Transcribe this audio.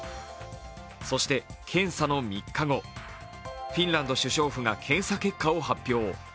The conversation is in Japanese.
そして検査の３日後、フィンランド首相府が検査結果を発表。